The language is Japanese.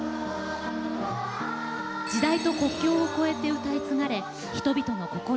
時代と国境を越えて歌い継がれ人々の心をつなぐ名曲